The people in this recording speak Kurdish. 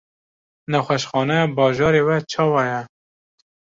Nexweşxaneya bajarê we çawa ye?